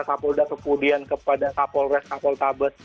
kapolda kemudian kepada kapolres kapoltabes